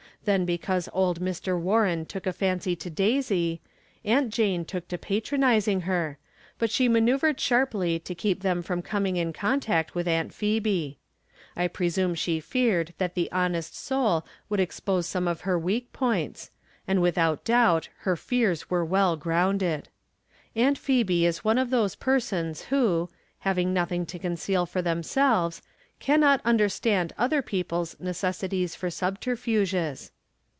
Then because old Mr. V/arren took a fancy to Daisy, Aunt Jane took to patronizing her, but she manceuvxed sharply to keep them from coming in contact with Aunt Phebe. I presume she feared that the honest soul would expose some of her weak points, and without doubt her fears were well grounded. Aunt Phebe is one of those persons who, hav ing nothing to conceal for themselves, can not understand other people's necessities for subter fuges.